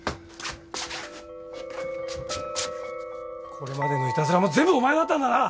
これまでのいたずらも全部お前だったんだな！？